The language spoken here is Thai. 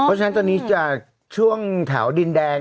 เพราะฉะนั้นตอนนี้จากช่วงแถวดินแดง